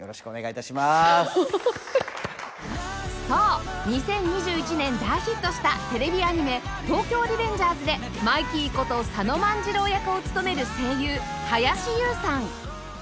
そう２０２１年大ヒットしたテレビアニメ『東京リベンジャーズ』でマイキーこと佐野万次郎役を務める声優林勇さん